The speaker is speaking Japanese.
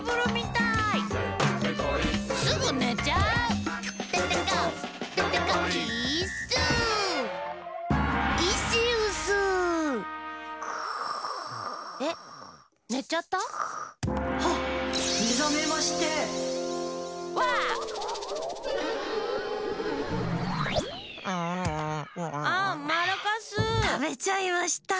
たべちゃいました。